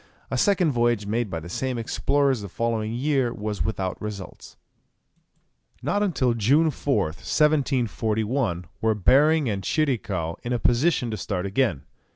A second voyage made by the same explorers the following year was without results. Not until June 4th, 1741, were Behring and Tschirikow in a position to start again.